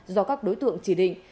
do các đối tượng chỉ định